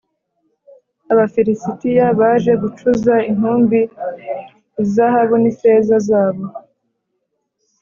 Abafilisitiya baje gucuza intumbi izahabu n’ifeza zabo